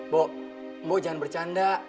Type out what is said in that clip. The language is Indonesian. bo bo jangan bercanda